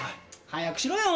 早くしろよ